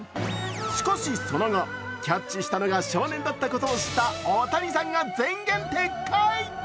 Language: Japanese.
しかしその後、キャッチしたのが少年だったことを知った大谷さんが前言撤回。